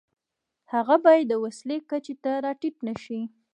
هغه باید د وسیلې کچې ته را ټیټ نشي.